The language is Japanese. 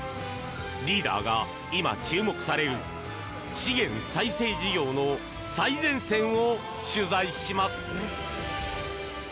リーダーが今、注目される資源再生事業の最前線を取材します！